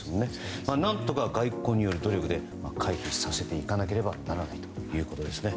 何とか、外交による努力で解決させていかなければならないということですね。